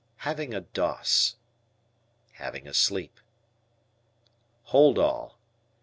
"Having a doss." Having a sleep. "Hold all."